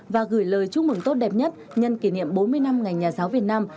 và gửi lời chúc mừng tốt đẹp nhất nhân kỷ niệm bốn mươi năm ngành nhà giáo việt nam